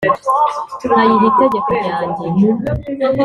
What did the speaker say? nkayiha itegeko ryanjye,